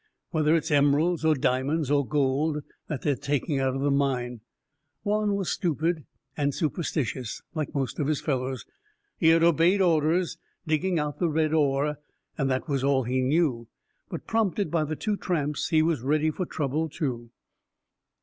Whether it's emeralds or diamonds or gold that they're taking out of the mine." Juan was stupid and superstitious, like most of his fellows. He had obeyed orders, digging out the red ore, and that was all he knew. But prompted by the two tramps, he was ready for trouble, too.